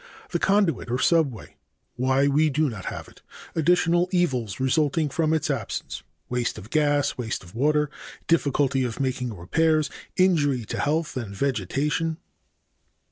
A. The conduit or subway. 1. Why we do not have it. 2. Additional evils resulting from its absence. a. Waste of gas. b. Waste of water. c. Difficulty of making repairs. d. Injury to health and vegetation.